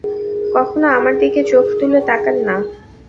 কখনো আমার দিকে চোখ তুলে তাকান না।